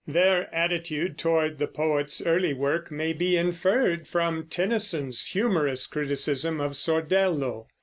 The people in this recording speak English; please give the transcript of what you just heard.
Their attitude towards the poet's early work may be inferred from Tennyson's humorous criticism of Sordello.